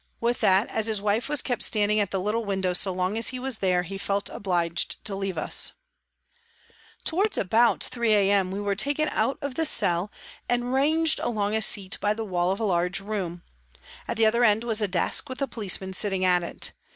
With that, as his wife was kept standing at the little window so long as he was there, he felt obliged to leave us, JANE WARTON 249 Towards about 3 a.m. we were taken out of the cell and ranged along a seat by the wall of a large room ; at the other end was a desk with a policeman sitting at it.